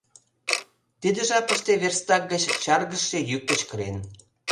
Тиде жапыште верстак гыч чаргыжше йӱк кычкырен.